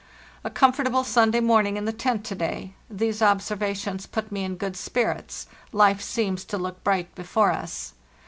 "A comfortable Sunday morning in the tent to day. These observations put me in good spirits; life seems to look bright before us.